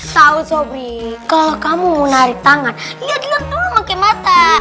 tau sobri kalo kamu mau narik tangan liat liat aja sama kakek mata